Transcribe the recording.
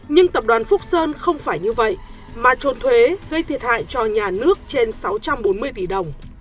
nhưng tập đoàn phúc sơn không phải như vậy mà trôn thuế gây thiệt hại cho nhà nước trên sáu trăm bốn mươi tỷ đồng